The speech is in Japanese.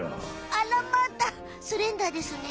あらまたスレンダーですね。